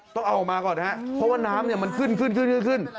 ต้องเอาออกมาก่อนนะครับเพราะว่าน้ำมันขึ้น